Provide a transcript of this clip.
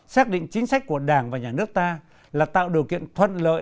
xác định chính sách của đảng và nhà nước ta là tạo điều kiện thuận lợi